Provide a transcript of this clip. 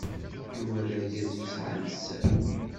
Yuba d argaz yesɛan sser.